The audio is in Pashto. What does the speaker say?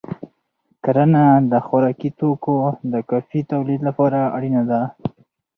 کرنه د خوراکي توکو د کافی تولید لپاره اړینه ده.